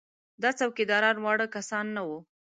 دا څوکیداران واړه کسان نه وو.